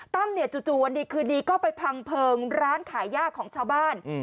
ตั้มเนี่ยจู่วันดีคืนดีก็ไปพังเพลิงร้านขายยากของชาวบ้าน